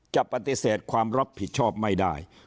จะปฏิเสธความรับผิดชอบไม่ได้